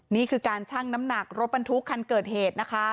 นี่คือการชั่งน้ำหนักรถบรรทุกคันเกิดเหตุนะคะ